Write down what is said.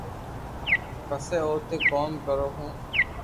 پسي اوتي ڪوم ڪرو ھون